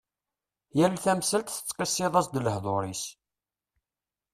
Yal tamsalt tettqisiḍ-as-d lehdur-is.